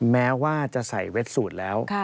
แม้ว่าจะใส่เว็ดสูตรแล้ว